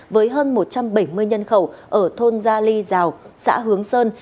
với hơn một trăm bảy mươi nhân khẩu ở thôn gia ly giào xã hướng sơn